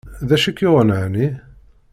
D acu ay k-yuɣen ɛni?